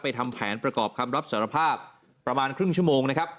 ทำแผนประกอบคำรับสารภาพประมาณครึ่งชั่วโมงนะครับ